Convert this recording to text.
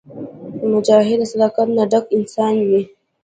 مجاهد د صداقت نه ډک انسان وي.